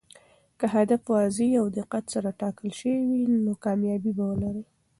که هدف واضح او دقت سره ټاکل شوی وي، نو کامیابي به ولري.